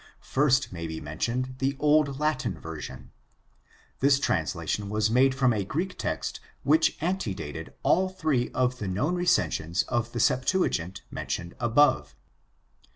First may be mentioned the Old Latin Version. This translation was made from a Greek text which antedated all three of the known recensions of the Septuagint mentioned above.